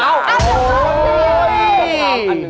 เขาไปที่ละจุดไง